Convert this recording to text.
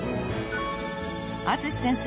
［淳先生